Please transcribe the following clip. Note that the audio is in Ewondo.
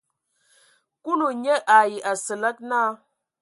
Kulu nye ai Asǝlǝg naa.